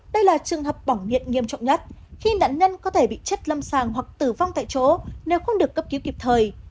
đây là trường hợp bỏng miệng nghiêm trọng nhất khi nạn nhân có thể bị chất lâm sàng hoặc tử vong tại chỗ nếu không được cấp cứu kịp thời